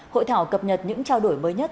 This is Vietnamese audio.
hội thảo cập nhật những trao đổi mới nhất